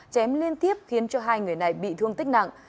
chém liên tiếp khiến cho hai người này bị thương tích nặng